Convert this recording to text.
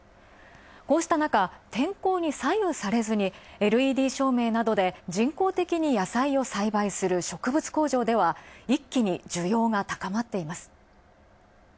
こうしたなか天候に左右されずにＬＥＤ照明などで人工的に野菜を栽培する植物工場では一気に需要が高まっています。